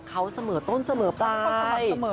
เขาเสมอต้นเสมอไป